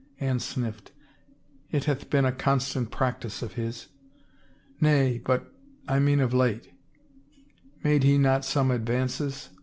Anne sniffed. " It hath been a constant practice of his." " Nay, but — I mean of late. Made he not some ad vances?